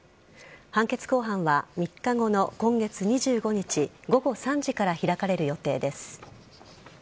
判決公判は３日後の今月２５日午後３時から開かれる予定です。